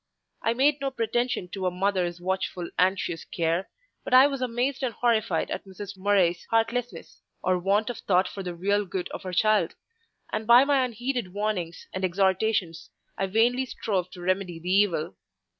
I made no pretension to "a mother's watchful, anxious care," but I was amazed and horrified at Mrs. Murray's heartlessness, or want of thought for the real good of her child; and by my unheeded warnings and exhortations, I vainly strove to remedy the evil.